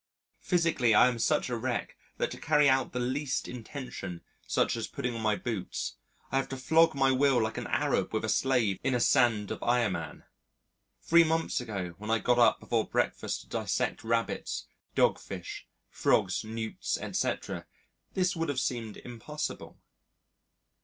Physically I am such a wreck that to carry out the least intention, such as putting on my boots, I have to flog my will like an Arab with a slave "in a sand of Ayaman." Three months ago when I got up before breakfast to dissect rabbits, dogfish, frogs, newts, etc., this would have seemed impossible.